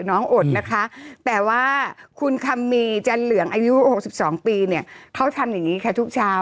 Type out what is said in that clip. อดนะคะแต่ว่าคุณคัมมีจันเหลืองอายุ๖๒ปีเนี่ยเขาทำอย่างนี้ค่ะทุกเช้า